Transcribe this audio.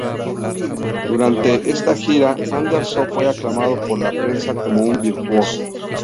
Durante esta gira, Anderson fue aclamado por la prensa como un virtuoso.